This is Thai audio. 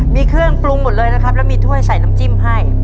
มีเครื่องปรุงหมดเลยนะครับแล้วมีถ้วยใส่น้ำจิ้มให้